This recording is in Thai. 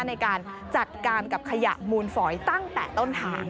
ในการจัดการกับขยะมูลฝอยตั้งแต่ต้นทาง